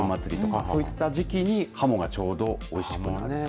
そういった時期にはもがちょうどおいしくなる。